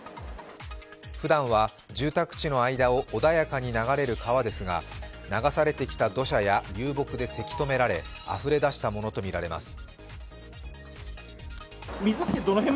ふだんは住宅地の間を穏やかに流れる川ですが流されてきた土砂や流木でせき止められあふれ出したものとみられます。